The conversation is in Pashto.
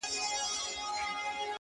ما ويل ددې به هېرول نه وي زده،